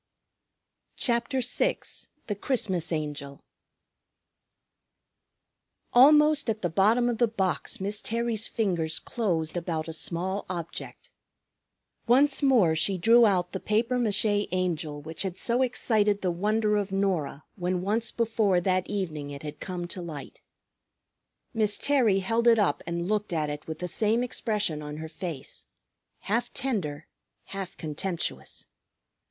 CHAPTER VI THE CHRISTMAS ANGEL Almost at the bottom of the box Miss Terry's fingers closed about a small object. Once more she drew out the papier mâché Angel which had so excited the wonder of Norah when once before that evening it had come to light. Miss Terry held it up and looked at it with the same expression on her face, half tender, half contemptuous.